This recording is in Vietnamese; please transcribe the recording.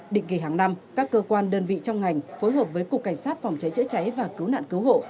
định kỳ hàng năm các cơ quan đơn vị trong ngành phối hợp với cục cảnh sát phòng cháy chữa cháy và cứu nạn cứu hộ